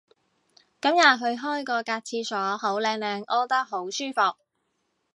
今日去開嗰格廁所好靚靚屙得好舒服